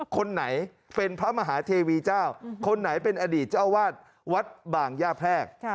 คนไหนเป็นพระมหาเทวีเจ้าคนไหนเป็นอดีตเจ้าอาวาสวัดบางย่าแพรก